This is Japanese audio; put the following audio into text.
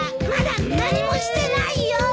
まだ何もしてないよ！